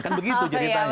kan begitu ceritanya